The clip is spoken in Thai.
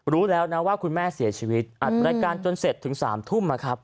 รู้แล้วนะว่าคุณแม่เสียชีวิตอัดรายการจนเสร็จถึง๓ทุ่มนะครับ